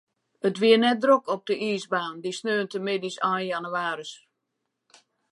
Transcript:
It wie net drok op de iisbaan, dy saterdeitemiddeis ein jannewaarje.